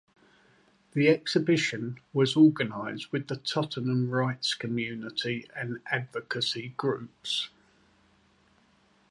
The exhibition was organized with the Tottenham Rights community and advocacy groups.